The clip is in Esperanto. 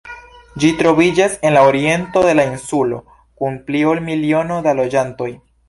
Ĝi troviĝas en la oriento de la insulo, kun pli ol miliono da loĝantoj.